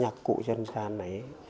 nhạc cụ dân gian này